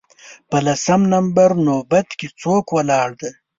په لسم نمبر نوبت کې څوک ولاړ دی